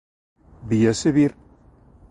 _Víase vir.